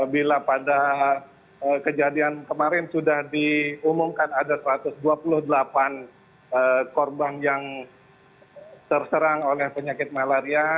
bila pada kejadian kemarin sudah diumumkan ada satu ratus dua puluh delapan korban yang terserang oleh penyakit malaria